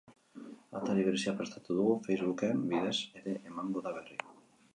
Atari berezia prestatu dugu facebook-en bidez ere emango da berri.